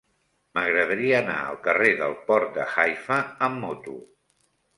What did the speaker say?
M'agradaria anar al carrer del Port de Haifa amb moto.